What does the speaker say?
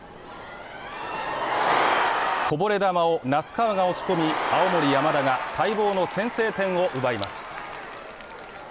こぼれ球を名須川が押し込み青森山田が待望の先制点を奪います。